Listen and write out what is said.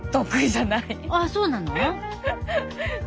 あっそうなの？